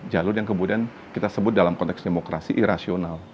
jalur yang kemudian kita sebut dalam konteks demokrasi irasional